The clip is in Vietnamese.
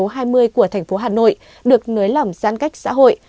cơ quan chức năng số hai mươi của thành phố hà nội được nới lỏng giãn cách xã hội